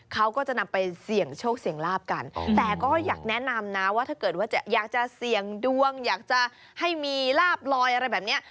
เขาก็จะนำไปเสี่ยงโชคเสี่ยงลาบกันแต่ก็อยากแนะนำนะว่าถ้าเกิดว่าจะอยากจะเสี่ยงดวงอยากจะให้มีลาบลอยอะไรแบบนี้